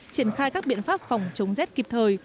triển khai các biện pháp phòng chống rét kịp thời